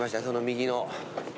その右の。